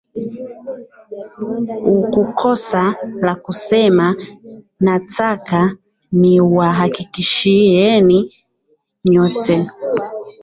ukukosa la kusema nataka ni wahakikishieni nyote